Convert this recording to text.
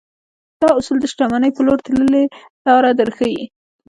دا اصول د شتمنۍ پر لور تللې لاره درښيي.